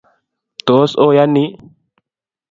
Tos oyani?